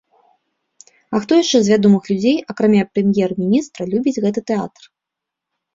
А хто яшчэ з вядомых людзей, акрамя прэм'ер-міністра любіць гэты тэатр?